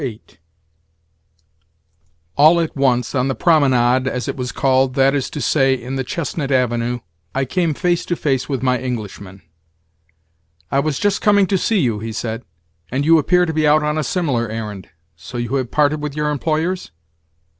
VIII All at once, on the Promenade, as it was called—that is to say, in the Chestnut Avenue—I came face to face with my Englishman. "I was just coming to see you," he said; "and you appear to be out on a similar errand. So you have parted with your employers?"